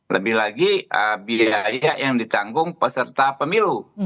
lebih lagi biaya yang ditanggung peserta pemilu